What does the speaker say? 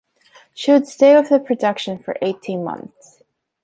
She would stay with the production for eighteen months.